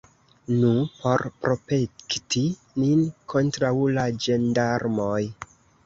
Nu, por protekti nin kontraŭ la ĝendarmoj!